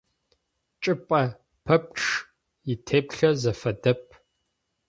Чӏыпӏэ пэпчъ итеплъэ зэфэдэп.